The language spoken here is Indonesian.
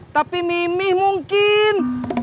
tapi mimi mungkin